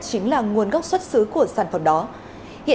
xuyên suốt cuộc đời